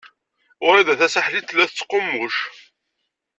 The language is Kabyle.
Wrida Tasaḥlit tella tettqummuc.